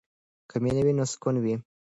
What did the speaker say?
که مینه وي نو سکون وي.